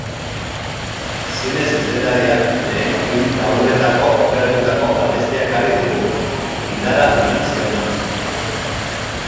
Zine zuzendariak lehen film laburrerako aukeratutako abestia ekarri digu, indarra eman ziona.